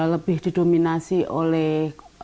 lebih didominasi oleh